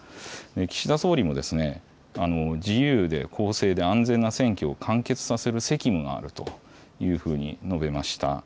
岸田総理も、自由で公正で安全な選挙を完結させる責務があるというふうに述べました。